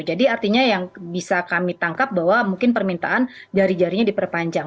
jadi artinya yang bisa kami tangkap bahwa mungkin permintaan jari jarinya diperpanjang